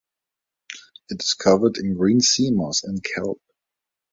It is covered in green seamoss and kelp.